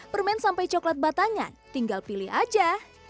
permen sampai coklat batangan tinggal pilih aja